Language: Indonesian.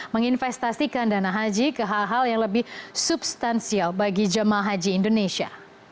menginvestasikan dana haji ke hal hal yang lebih substansial bagi jemaah haji indonesia